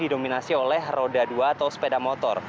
didominasi oleh roda dua atau sepeda motor